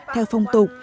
theo phong tục